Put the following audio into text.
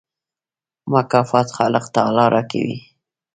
مکافات خالق تعالی راکوي.